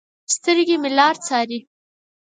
سترګې مې لار څارې